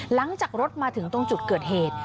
หลังจากรถมาถึงตรงจุดเกิดเหตุ